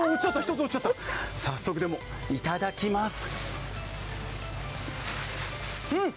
早速いただきます。